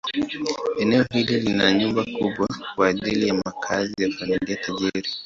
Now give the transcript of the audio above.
Eneo hili lina nyumba kubwa kwa ajili ya makazi ya familia tajiri.